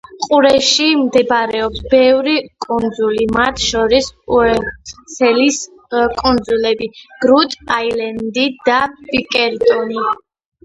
ყურეში მდებარეობს ბევრი კუნძული, მათ შორის: უელსლის კუნძულები, გრუტ-აილენდი და ბიკერტონი.